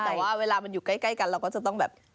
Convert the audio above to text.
แต่ว่าเวลามันอยู่ใกล้กันเราก็จะต้องแบบ